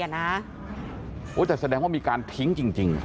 แต่แสดงว่ามีการทิ้งจริง